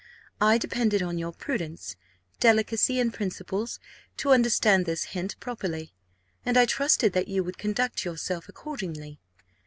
I depended on your prudence, delicacy, and principles, to understand this hint properly, and I trusted that you would conduct yourself accordingly.